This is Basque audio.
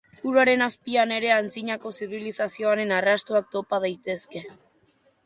Uraren azpian ere antzinako zibilizazioen arrastoak topa daitezke.